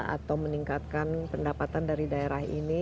atau meningkatkan pendapatan dari daerah ini